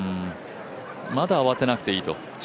まだ慌てなくていいと。